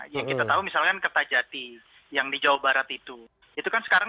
yang kita tahu misalkan kerta jati yang di jawa barat itu itu kan sekarang sepi kosong